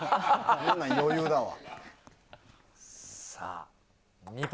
こんなん余裕だわ。